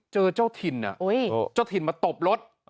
เจอเจ้าถิ่นอ่ะเจ้าถิ่นมาตบรถ